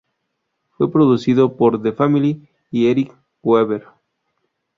Fue producido por The Family y Eric Weaver.